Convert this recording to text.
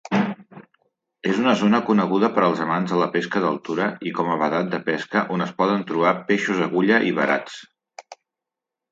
És una zona coneguda per als amants de la pesca d'altura i com a vedat de pesca on es poden trobar peixos agulla i verats.